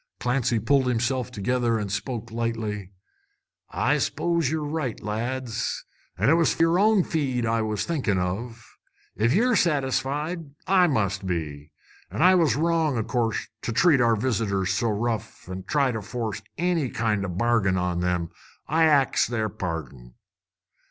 Clancy pulled himself together and spoke lightly. "I s'pose ye're right, lads, an' it was yer own feed I was thinking of. If ye're satisfied, I must be. An' I was wrong, o' course, to treat our visitors so rough, an' try force any kind o' a bargain on them. I ax their pardon."